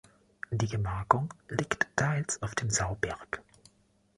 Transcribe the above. Die Gemarkung liegt teils auf dem „Sauberg“.